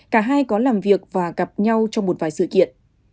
cả hai có làm việc và gặp nhau trong một vài sự kiện